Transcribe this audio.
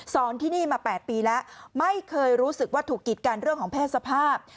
ที่นี่มา๘ปีแล้วไม่เคยรู้สึกว่าถูกกิดกันเรื่องของเพศสภาพ